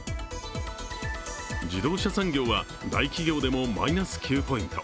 自動車産業は大企業でもマイナス９ポイント